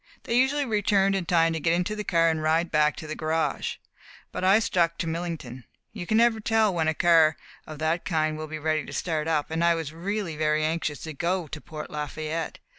They usually returned in time to get into the car and ride back to the garage. But I stuck to Millington. You never can tell when a car of that kind will be ready to start up, and I was really very anxious to go to Port Lafayette.